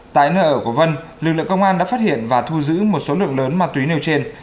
tại nơi ở của vân lực lượng công an đã phát hiện và thu giữ một số lượng lớn ma túy nêu trên